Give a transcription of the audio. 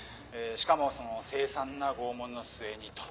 しかもその凄惨な拷問の末にと。